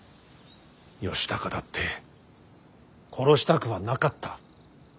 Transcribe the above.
義高だって殺したくはなかった。